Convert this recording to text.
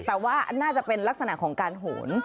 แต่ว่าน่าจะเป็นลักษณะของการโหน